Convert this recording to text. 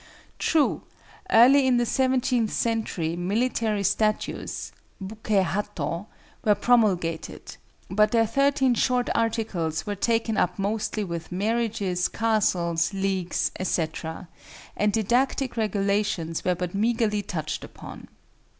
True, early in the seventeenth century Military Statutes (Buké Hatto) were promulgated; but their thirteen short articles were taken up mostly with marriages, castles, leagues, etc., and didactic regulations were but meagerly touched upon.